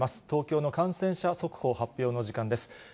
東京の感染者速報発表の時間です。